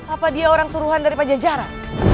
apa dia orang suruhan dari pajajaran